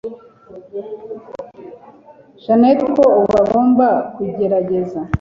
Janet ko ubu agomba kugerageza